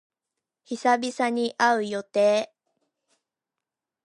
久々に会う予定。